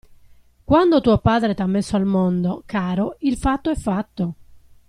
Quando tuo padre t'ha messo al mondo, caro, il fatto è fatto.